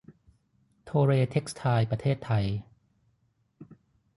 โทเร เท็กซ์ไทล์ ประเทศไทย